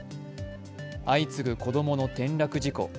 相次ぐ子供の転落事故。